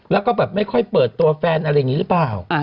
แล้วก็ไม่ค่อยเปิดตัวแฟนอะไรงี้หรือเปล่า